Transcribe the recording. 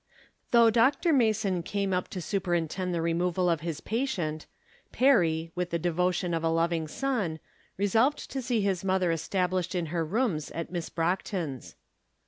Though Dr. Mason came up to superintend the removal of his patient, Perry, with the devo tion of a loving son, resolved to see his mother established in her rooms at Miss Brockton's.